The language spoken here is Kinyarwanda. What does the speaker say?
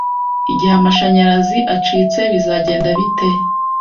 igihe amashanyarazi acitse bizagenda bite